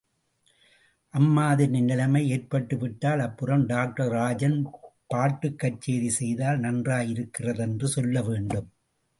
அம்மாதிரி நிலைமை ஏற்பட்டுவிட்டால் அப்புறம் டாக்டர் ராஜன் பாட்டுக்கச்சேரி செய்தால் நன்றாயிருக்கிறதென்று சொல்ல வேண்டும்.